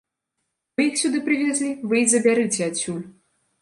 Вы іх сюды прывезлі, вы і забярыце адсюль!